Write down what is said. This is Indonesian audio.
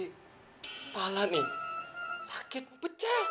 kepala nih sakit pecah